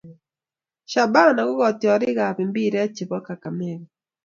shabana kokatiorik ab mpiret che bo kakamega